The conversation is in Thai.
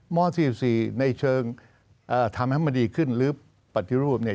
ม๔๔ในเชิงทำให้มันดีขึ้นหรือปฏิรูปเนี่ย